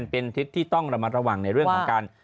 เป็นทิศที่ต้องระมัดระวังในเรื่องของการ